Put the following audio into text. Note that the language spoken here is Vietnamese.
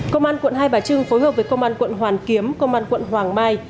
công an quận hai bà trưng phối hợp với công an quận hoàn kiếm công an quận hoàng mai